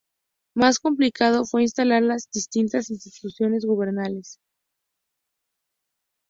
Más complicado fue instalar las distintas instituciones gubernamentales.